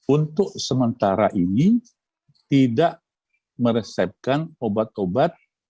untuk sementara ini tidak meresepkan obat obat